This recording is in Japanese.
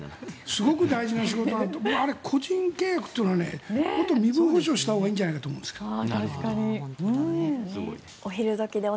すごく大事な仕事は僕、個人契約というのは本当は身分保障したほうがいいんじゃないかと思いますけど。